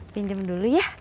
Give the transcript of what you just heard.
pinjam dulu ya